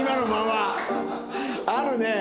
あるね。